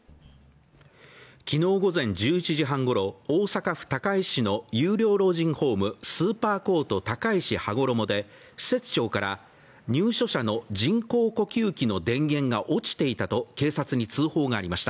昨日午前１１時半ごろ、大阪府高石市の有料老人ホーム高石羽衣で施設長から、入所者の人工呼吸器の電源が落ちていたと警察に通報がありました。